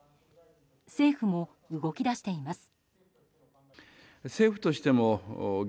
政府も動き出しています。